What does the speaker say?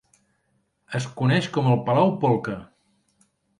Es coneix com el Palau Polca.